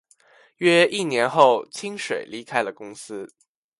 约一年后清水离开了公司。